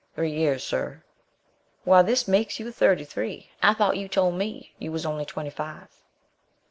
"Three years, sir." "Why, this makes you thirty three, I thought you told me you was only twenty five?"